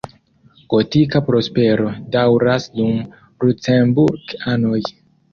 Gotika prospero daŭras dum Lucemburk-anoj.